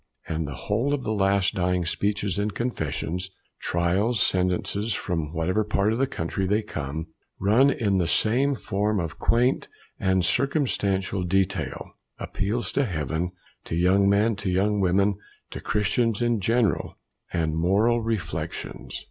And the whole of the last dying speeches and confessions, trials, sentences from what ever part of the country they come, run in the same form of quaint and circumstantial detail, appeals to heaven, to young men, to young women, to christians in general, and moral reflections.